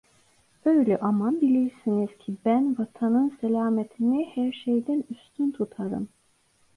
Öyle ama, bilirsiniz ki ben vatanın selametini her şeyden üstün tutarım.